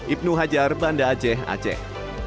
ibnu hajar banda aceh aceh